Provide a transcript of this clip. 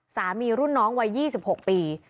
รุ่นน้องวัย๒๖ปี